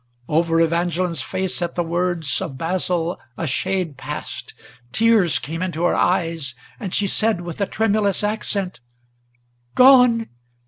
Over Evangeline's face at the words of Basil a shade passed. Tears came into her eyes, and she said, with a tremulous accent, "Gone?